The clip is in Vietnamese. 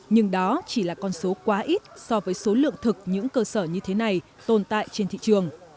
nhưng đó chỉ là con số quá ít so với số lượng thực những cơ sở như thế này tồn tại trên thị trường